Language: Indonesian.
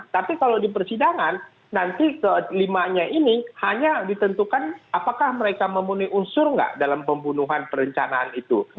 tapi kalau di persidangan nanti kelimanya ini hanya ditentukan apakah mereka memenuhi unsur nggak dalam pembunuhan perencanaan itu